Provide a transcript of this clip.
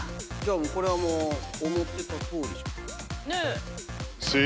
これはもう思ってたとおりじゃない？